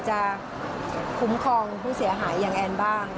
จะคุ้มครองผู้เสียหายอย่างแอนบ้าง